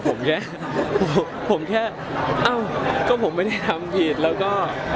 ผมแค่ผมแค่เอ้าก็ผมไม่ได้ทำผิดแล้วก็